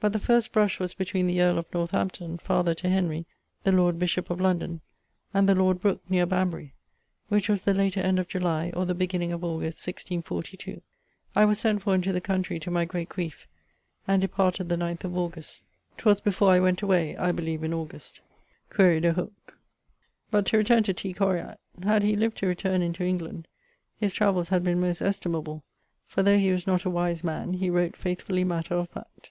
But the first brush was between the earle of Northampton (father to Henry, the lord bishop of London) and the lord Brooke, neer Banbury: which was the later end of July, or the beginning of August, 1642. I was sent for into the countrey to my great griefe, and departed the 9th of Aug. 'Twas before I went away, I beleeve in Aug. Quaere de hoc. But to returne to T. Coryat: had he lived to returne into England, his travells had been most estimable, for though he was not a wise man, he wrote faithfully matter of fact.